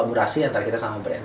kolaborasi antara kita sama brand